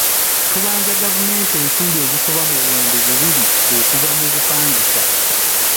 Ttubanja gavumenti ensimbi ezisoba mu buwumbi bibiri okuva mu bupangisa.